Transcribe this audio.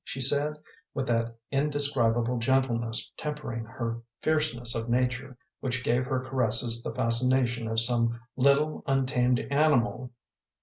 she said, with that indescribable gentleness tempering her fierceness of nature which gave her caresses the fascination of some little, untamed animal.